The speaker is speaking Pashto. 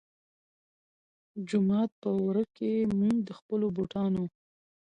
جومات پۀ ورۀ کښې مونږ د خپلو بوټانو